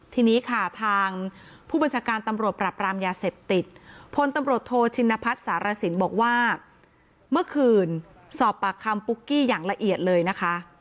ทีนี้ค่ะทางผู้บัญชาการตำรวจปรับรามยาเสพติดพลตำรวจโทชินพัฒน์สารสินบอกว่าเมื่อคืนสอบปากคำปุ๊กกี้อย่างละเอียดเลยนะคะ